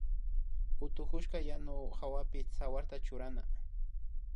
Utukushpa wanu hawapi tsawarta churana